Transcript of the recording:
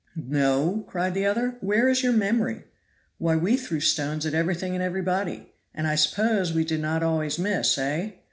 "No?" cried the other, "where is your memory? Why, we threw stones at everything and everybody, and I suppose we did not always miss, eh?